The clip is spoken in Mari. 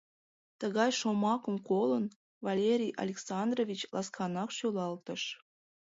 Тыгай шомакым колын, Валерий Александрович ласканак шӱлалтыш.